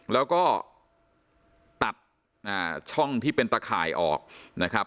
แล้วก็ตัดช่องที่เป็นตะข่ายออกนะครับ